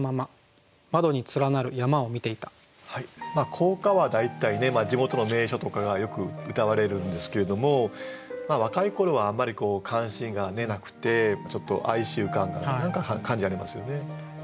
校歌は大体ね地元の名所とかがよく歌われるんですけれども若い頃はあんまり関心がなくてちょっと哀愁感が何か感じられますよね。